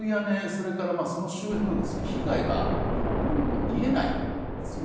それから、その周辺の被害がほとんど見えないんですね。